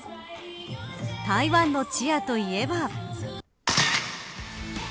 台湾のチアといえば。